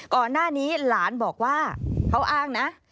ก่อนหน้านี้หลานบอกว่าเขาอ้างนะ